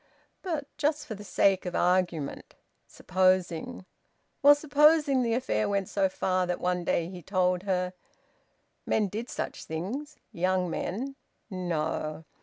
But just for the sake of argument ... supposing... well, supposing the affair went so far that one day he told her ... men did such things, young men! No!